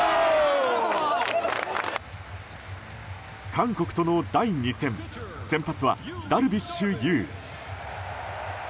韓国との第２戦先発はダルビッシュ有。